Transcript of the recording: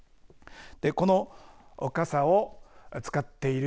この傘を使っている